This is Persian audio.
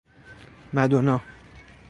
مدونا